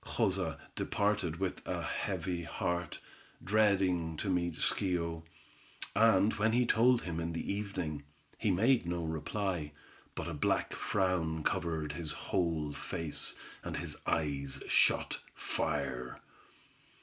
Joza departed with a heavy heart, dreading to meet Schio; and when he told him in the evening, he made no reply, but a black frown covered his whole face, and his eyes shot fire.